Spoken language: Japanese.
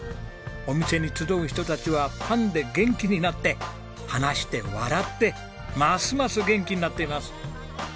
お店に集う人たちはパンで元気になって話して笑ってますます元気になっています。